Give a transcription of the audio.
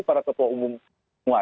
para ketua umum semua